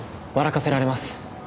かせられます。